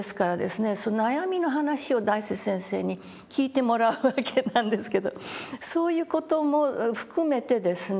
その悩みの話を大拙先生に聞いてもらうわけなんですけどそういう事も含めてですね